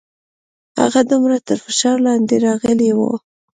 هغه دومره تر فشار لاندې راغلې وه.